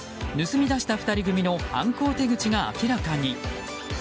盗み出した２人組の犯行手口が明らかに。